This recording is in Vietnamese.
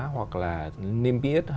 hoặc là nêm biết